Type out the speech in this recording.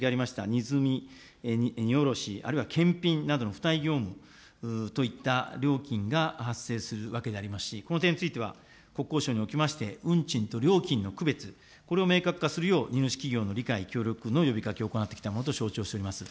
荷積み、荷降ろしあるいは検品などの付帯業務といった料金が発生するわけでありますし、この点については国交省におきまして、運賃と料金の区別、これを明確化するよう荷主企業の理解、協力の呼びかけを行ってきたものと承知をしております。